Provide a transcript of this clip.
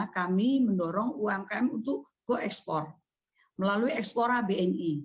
kami mendorong umkm untuk go ekspor melalui ekspora bni